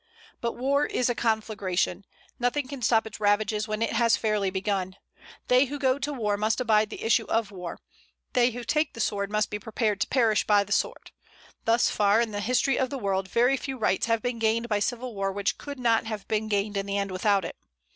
But war is a conflagration; nothing can stop its ravages when it has fairly begun. They who go to war must abide the issue of war; they who take the sword must be prepared to perish by the sword. Thus far, in the history of the world, very few rights have been gained by civil war which could not have been gained in the end without it.